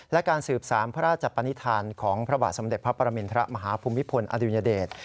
และการสืบสารพระราชปนิษฐานของพระบาทสมเด็จพระปรมินทรมาฮภูมิพลอดุญเดช